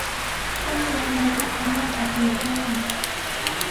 Taqay wamraqa allaapa kuyakuqmi.